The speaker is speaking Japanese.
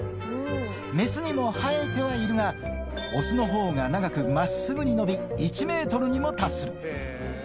雌にも生えてはいるが、雄のほうが長く、まっすぐに伸び、１メートルにも達する。